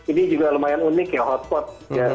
ini juga lumayan unik ya hotpot